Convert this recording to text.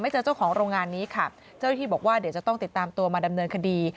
เจอเจ้าของโรงงานนี้ค่ะเจ้าหน้าที่บอกว่าเดี๋ยวจะต้องติดตามตัวมาดำเนินคดี